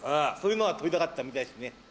そういうのが撮りたかったみたいですね。